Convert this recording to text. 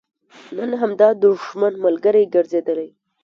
نن همدا دښمن ملګری ګرځېدلی.